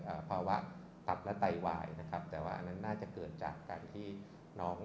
ภาวะตับและไตวายนะครับแต่ว่าอันนั้นน่าจะเกิดจากการที่น้อง